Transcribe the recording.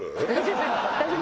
「大丈夫」？